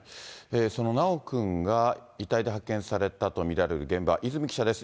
その修くんが遺体で発見されたと見られる現場、泉記者です。